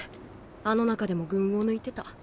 あの中でも群を抜いてた。